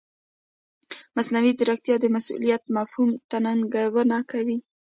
مصنوعي ځیرکتیا د مسؤلیت مفهوم ته ننګونه کوي.